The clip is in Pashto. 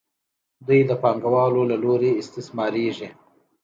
دوی د پانګوالو له لوري استثمارېږي